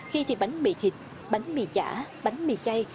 khi thì bánh mì thịt bánh mì giả bánh mì chay